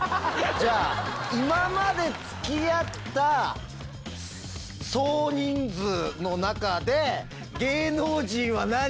じゃあ今まで付き合った総人数の中で芸能人は何人ですか？